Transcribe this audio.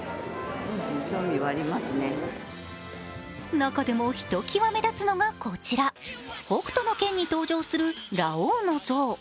中でもひときわ目立つのがこちら「北斗の拳」に登場するラオウの像。